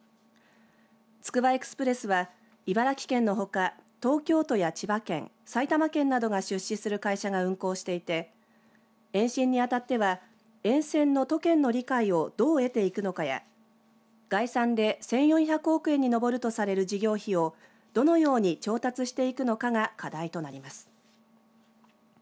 つくばエクスプレスは茨城県のほか東京都や千葉県埼玉県などが出資する会社が運行していて延伸に当たっては沿線の都県の理解をどう得ていくのかや概算で１４００億円に上るとされる事業費をどのように調達していくのかが課題となります。